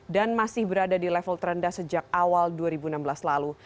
dan masih berada di level terendah sejak awal dua ribu enam belas lalu